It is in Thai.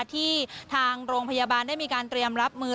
ที่ทางโรงพยาบาลได้มีการเตรียมรับมือ